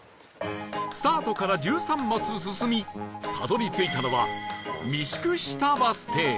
スタートから１３マス進みたどり着いたのは御宿下バス停